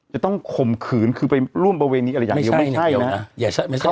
จะต้องข่มขืนคือไปร่วมบริเวณนี้อะไรอย่างเดียวไม่ใช่เนี้ยไม่ใช่